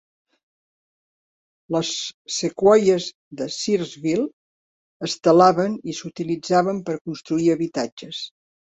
Les sequoies de Searsville es talaven i s'utilitzaven per construir habitatges.